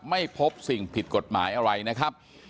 ไม่พบสิ่งผิดกฎหมายอะไรนะครับ